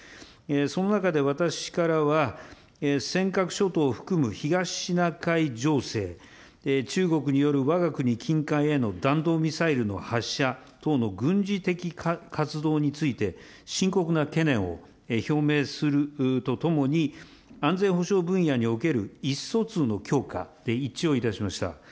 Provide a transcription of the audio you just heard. その中で私からは、尖閣諸島を含む東シナ海情勢、中国によるわが国近海への弾道ミサイルの発射等の軍事的活動について、深刻な懸念を表明するとともに、安全保障分野における意思疎通の強化で一致をいたしました。